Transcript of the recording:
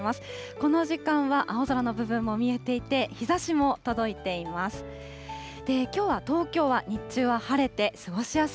この時間は青空の部分も見えていて、日ざしも届いています。